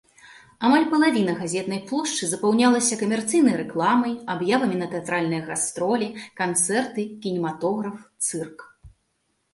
Амаль палавіна газетнай плошчы запаўнялася камерцыйнай рэкламай, аб'явамі на тэатральныя гастролі, канцэрты, кінематограф, цырк.